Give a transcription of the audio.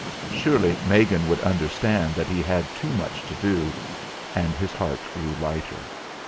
Surely Megan would understand that he had too much to do; and his heart grew lighter.